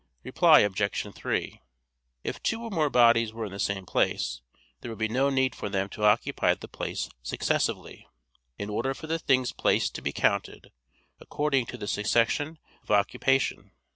Reply Obj. 3: If two or more bodies were in the same place, there would be no need for them to occupy the place successively, in order for the things placed to be counted according to this succession of occupation.